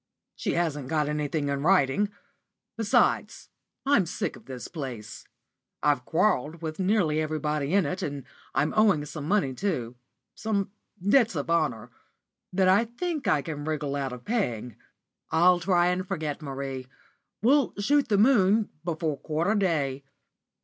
She hasn't got anything in writing. Besides, I'm sick of this place. I've quarrelled with pretty nearly everybody in it, and I'm owing some money too some debts of honour that I think I can wriggle out of paying. I'll try and forget Marie. We'll 'shoot the moon' before quarter day."